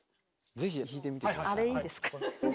ぜひ弾いてみてください。